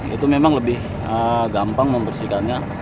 itu memang lebih gampang membersihkannya